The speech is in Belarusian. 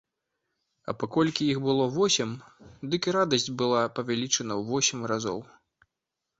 А паколькі іх было восем, дык і радасць была павялічана ў восем разоў.